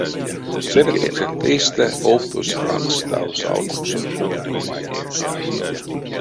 Сэретьксэнть эйстэ овтось рангставсь алкуксонь овтонь вайгельсэ.